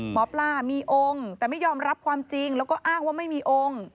หมอปลามีองค์แต่ไม่ยอมรับความจริงแล้วก็อ้างว่าไม่มีองค์